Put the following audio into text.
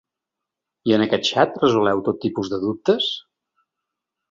I en aquest xat resoleu tot tipus de dubtes?